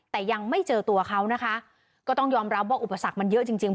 แต่ยังไม่เจอตัวเขานะคะก็ต้องยอมรับว่าอุปสรรคมันเยอะจริงจริง